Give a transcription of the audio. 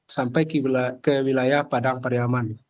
sampai ke wilayah padang pariaman